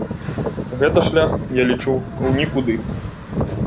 Гэта шлях, я лічу, у нікуды.